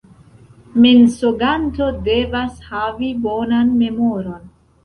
Mensoganto devas havi bonan memoron.